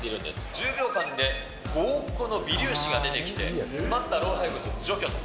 １０秒間で５億個の微粒子が出てきて、詰まった老廃物を除去と。